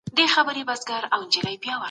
سیال هیواد مالي مرسته نه کموي.